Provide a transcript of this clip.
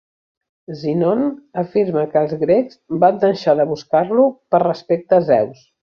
Sinon afirma que els grecs van deixar de buscar-lo per respecte a Zeus.